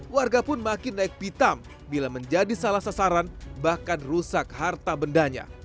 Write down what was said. warga pun makin naik pitam bila menjadi salah sasaran bahkan rusak harta bendanya